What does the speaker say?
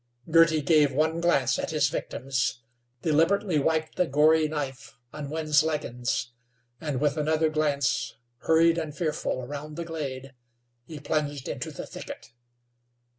Girty gave one glance at his victims; deliberately wiped the gory knife on Wind's leggins, and, with another glance, hurried and fearful, around the glade, he plunged into the thicket.